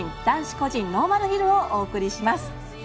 男子個人ノーマルヒルをお送りします。